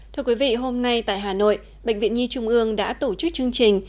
thưa quý vị hôm nay tại hà nội bệnh viện nhi trung ương đã tổ chức chương trình